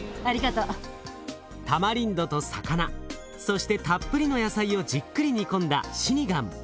タマリンドと魚そしてたっぷりの野菜をじっくり煮込んだシニガン。